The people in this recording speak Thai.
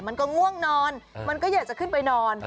ง่วงนอนมันก็อยากจะขึ้นไปนอน